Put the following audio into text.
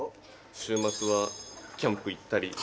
週末はキャンプ行ったりはあ！